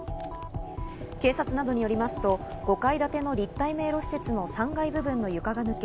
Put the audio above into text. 警察などによりますと、５階建ての立体迷路施設の３階部分の床が抜け